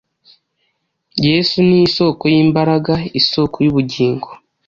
Yesu ni isoko y’imbaraga, isoko y’ubugingo.